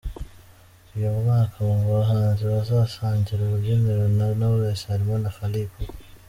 Uyu mwaka, mu bahanzi bazasangira urubyiniro na Knowless harimo na Fally Ipupa.